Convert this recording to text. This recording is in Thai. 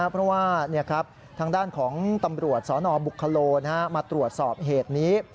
เพราะว่าทางด้านของตำรวจสนบุคโลมาตรวจสอบเหตุนี้